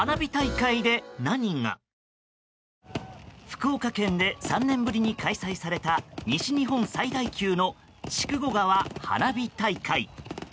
福岡県で３年ぶりに開催された西日本最大級の筑後川花火大会。